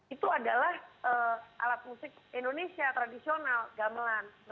itu adalah alat musik indonesia tradisional gamelan